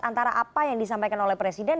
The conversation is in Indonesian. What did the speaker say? antara apa yang disampaikan oleh presiden